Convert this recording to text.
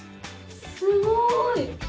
すごい！